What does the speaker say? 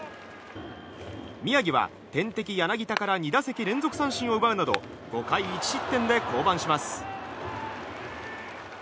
宮城は、天敵・柳田から２打席連続三振を奪うなど５回１失点で降板します。